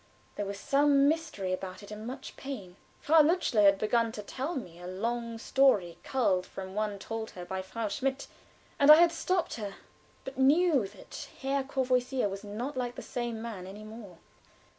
There was some mystery about it, and much pain. Frau Lutzler had begun to tell me a long story culled from one told her by Frau Schmidt, and I had stopped her, but knew that "Herr Courvoisier was not like the same man any more."